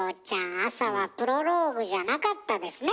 朝はプロローグじゃなかったですね。